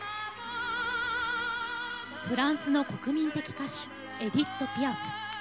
フランスの国民的歌手エディット・ピアフ。